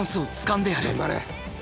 頑張れ！